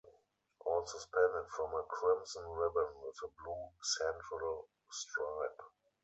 All suspended from a crimson ribbon with a blue central stripe.